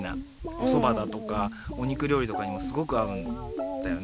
おそばだとかおにくりょうりとかにもすごくあうんだよね